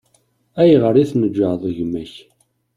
Ayɣer i tneǧǧɛeḍ gma-k?